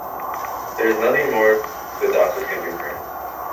There is nothing more the doctors can do for him.